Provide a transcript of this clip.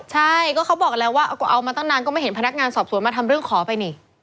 ใช่ก็เขาบอกกันแล้วว่าก็เอามาตั้งนานก็ไม่เห็นพนักงานสอบสวนมาทำเรื่องขอไปนี่